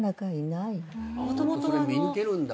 それ見抜けるんだ。